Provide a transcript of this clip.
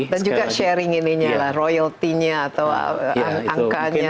dan juga sharing ini nya lah royaltinya atau angkanya